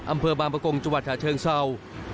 อำเภอบางประกงจังหวัดฉะเชิงเศร้า